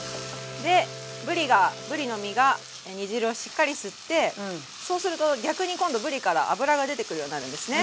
でぶりがぶりの身が煮汁をしっかり吸ってそうすると逆に今度ぶりから脂が出てくるようになるんですね。